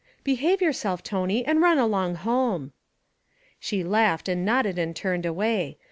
'Behave yourself, Tony, and run along home!' She laughed and nodded and turned away.